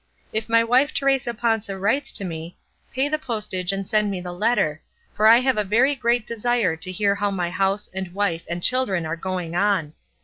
If my wife Teresa Panza writes to me, pay the postage and send me the letter, for I have a very great desire to hear how my house and wife and children are going on.